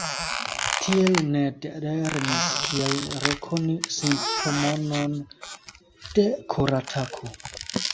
Tiel Ned lernis kiel rekoni simptomon de koratako.